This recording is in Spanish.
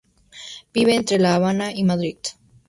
Vive entre La Habana y Madrid.